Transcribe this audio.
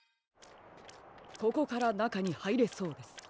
ここからなかにはいれそうです。